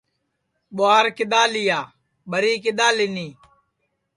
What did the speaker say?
ٻُواہار کِدؔا لیا ٻری کِدؔا لینی